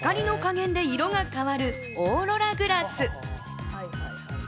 光の加減で色が変わるオーロラグラス。